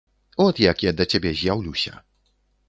От як я да цябе з'яўлюся.